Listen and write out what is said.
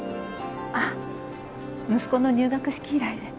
あっ息子の入学式以来で。